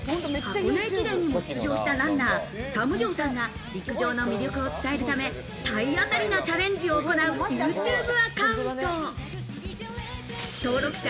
箱根駅伝にも出場したランナー、たむじょーさんが陸上の魅力を伝えるため、体当たりなチャレンジを行うＹｏｕＴｕｂｅアカウント、登録者